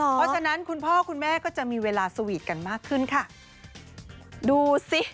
เพราะฉะนั้นคุณพ่อคุณแม่ก็จะมีเวลาสวีทกันมากขึ้นค่ะดูสิ